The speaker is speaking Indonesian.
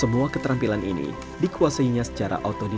semua keterampilan ini dikuasainya secara otomatis